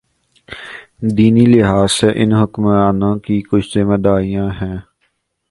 دینی لحاظ سے ان حکمرانوں کی کچھ ذمہ داریاں ہیں۔